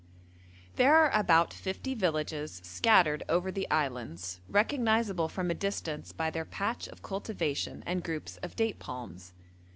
There are about fifty villages scattered over the islands, recognisable from a distance by their patch of cultivation and groups of date palms.